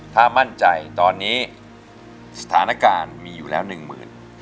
ถ้ามั่นใจตอนนี้สถานการณ์มีอยู่แล้วหนึ่งหมื่น